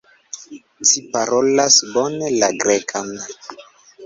Ci parolas bone la Grekan.